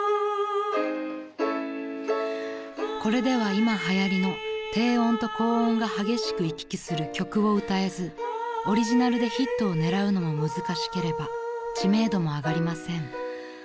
［これでは今はやりの低音と高音が激しく行き来する曲を歌えずオリジナルでヒットを狙うのも難しければ知名度も上がりません］